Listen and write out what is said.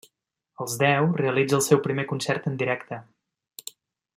Als deu, realitza el seu primer concert en directe.